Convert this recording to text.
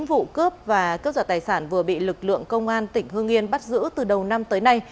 bốn vụ cướp và cướp giật tài sản vừa bị lực lượng công an tỉnh hương yên bắt giữ từ đầu năm tới nay